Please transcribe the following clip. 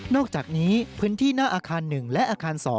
อกจากนี้พื้นที่หน้าอาคาร๑และอาคาร๒